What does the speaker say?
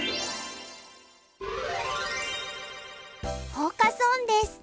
フォーカス・オンです。